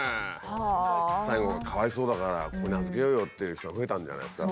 最後がかわいそうだからここに預けようよっていう人が増えたんじゃないんですか。